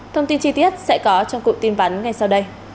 thông tin chi tiết sẽ có trong cụm tin vắn ngay sau đây